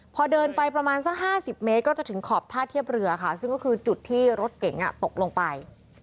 พอเดินไปประมาณสัก๕๐เมตรก็จะถึงขอบท่าเทียบเรือค่ะซึ่งก็คือจุดที่รถเก๋งตกลงไป